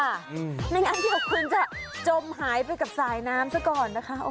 ไม่งั้นเดี๋ยวคุณจะจมหายไปกับสายน้ำซะก่อนนะคะ